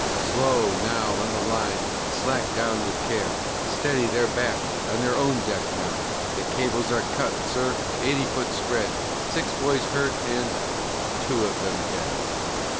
Slow, now, on the line! slack down with care! Steady! they're back on their own deck now! The cables are cut, sir, eighty foot spread, Six boys hurt, and two of them dead.